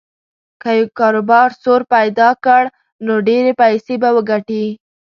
که یې کاروبار سور پیدا کړ نو ډېرې پیسې به وګټي.